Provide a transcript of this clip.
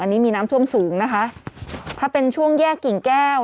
อันนี้มีน้ำท่วมสูงนะคะถ้าเป็นช่วงแยกกิ่งแก้ว